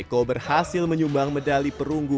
keteguhan dan keuletan eko selama bertahun tahun berbuah manis